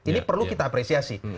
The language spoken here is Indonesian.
ini perlu kita apresiasi